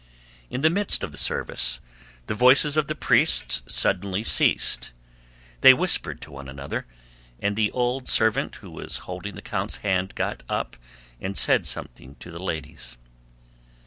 In the midst of the service the voices of the priests suddenly ceased, they whispered to one another, and the old servant who was holding the count's hand got up and said something to the ladies.